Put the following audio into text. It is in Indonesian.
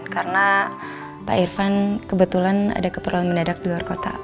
karena pak irvan kebetulan ada keperluan mendadak di luar kota